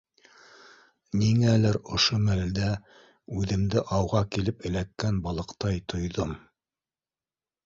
Ниңәлер ошо мәлдә үҙемде ауға килеп эләккән балыҡтай тойҙом.